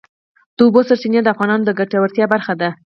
د اوبو سرچینې د افغانانو د ګټورتیا برخه ده.